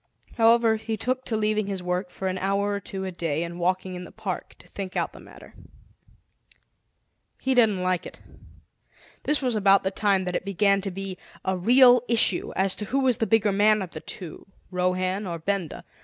However, he took to leaving his work for an hour or two a day and walking in the park, to think out the matter. He didn't like it. This was about the time that it began to be a real issue as to who was the bigger man of the two, Rohan or Benda.